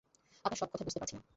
আপনার সব কথা বুঝতে পারছি না।